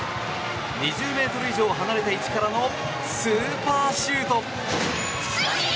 ２０ｍ以上離れた位置からのスーパーシュート。